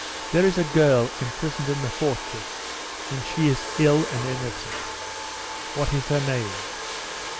"There is a girl imprisoned in the fortress, and she is ill and innocent." "What is her name?"